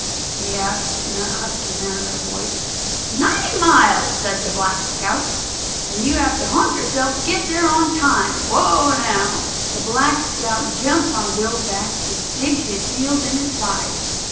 he asks, in a husky manner of voice. "Ninety miles," says the Black Scout. "And you have to hump yourself to get there on time. Whoa, now!" The Black Scout jumps on Bill's back and digs his heels in his side.